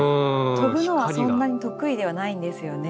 飛ぶのはそんなに得意ではないんですよね。